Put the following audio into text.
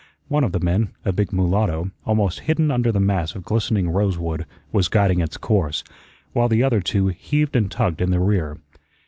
One of the men, a big mulatto, almost hidden under the mass of glistening rosewood, was guiding its course, while the other two heaved and tugged in the rear.